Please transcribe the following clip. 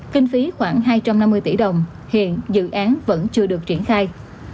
kinh phí khoảng hai trăm năm mươi tỷ đồng hiện dự án vẫn chưa được triển khai